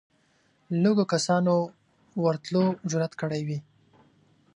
لږو کسانو ورتلو جرئت کړی وي